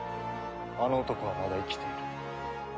あの男はまだ生きている。